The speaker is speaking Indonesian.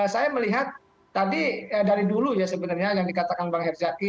saya melihat dari dulu sebenarnya yang dikatakan bang herjaki